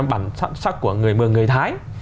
bản sắc của người mường người thái